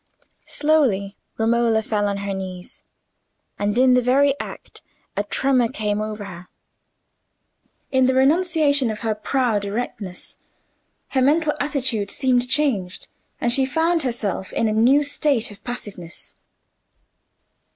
Slowly Romola fell on her knees, and in the very act a tremor came over her; in the renunciation of her proud erectness, her mental attitude seemed changed, and she found herself in a new state of passiveness.